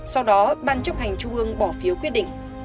sau đó ban chấp hành trung ương bỏ phiếu quyết định